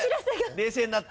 冷静になって。